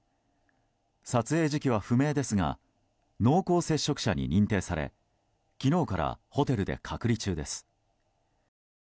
撮影時期は不明ですが濃厚接触者に認定され昨日からホテルで隔離中です。